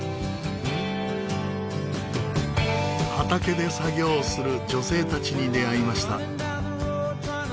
畑で作業する女性たちに出会いました。